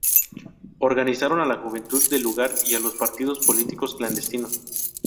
Organizaron a la juventud del lugar y a los partidos políticos clandestinos.